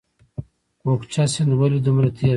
کوکچه سیند ولې دومره تیز دی؟